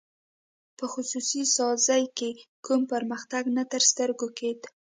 په خصوصي سازۍ کې کوم پرمختګ نه تر سترګو کېده.